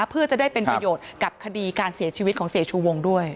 เพื่อจะได้เป็นประโยชน์กับคดีการเสียชีวิตของเสียชูวงด้วย